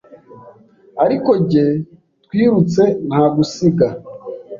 ariko jye twirutse nagusiga